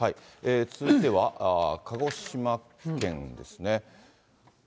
続いては、鹿児島県ですね。